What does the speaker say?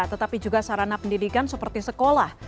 tetapi juga sarana pendidikan seperti sekolah